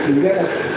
thì đúng rồi